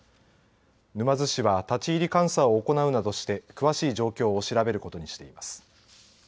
沼津市は立ち入り監査を行うなどして詳しい状況を調べることにしています。